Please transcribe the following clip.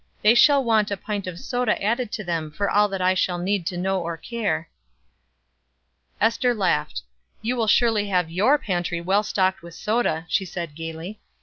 They shall want a pint of soda added to them for all that I shall need to know or care." Ester laughed. "You will surely have your pantry well stocked with soda," she said, gayly.